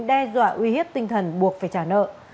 đe dọa uy hiếp tinh thần buộc phải trả nợ